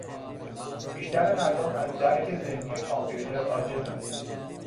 بیشتر مردم از درک ذهنی کامپیوتر عاجزند.